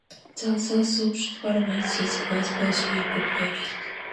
The south of the department is quite sparsely populated.